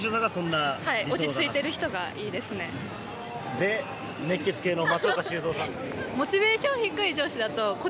で、熱血系の松岡修造さん。